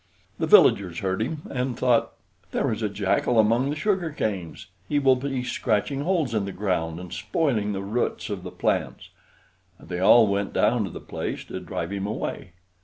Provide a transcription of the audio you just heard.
The villagers heard him, and thought, "There is a jackal among the sugarcanes; he will be scratching holes in the ground and spoiling the roots of the plants." And they all went down to the place to drive him away.